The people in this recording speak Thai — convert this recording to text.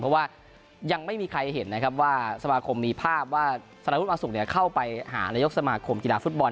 เพราะว่ายังไม่มีใครเห็นนะครับว่าสมาคมมีภาพว่าสารวุฒิมาสุกเข้าไปหานายกสมาคมกีฬาฟุตบอล